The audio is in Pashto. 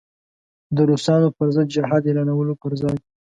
د روسانو پر ضد جهاد اعلانولو پر ځای.